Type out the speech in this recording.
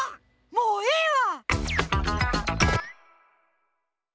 もうええわ！